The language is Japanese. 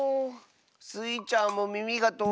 スイちゃんもみみがとおいのか。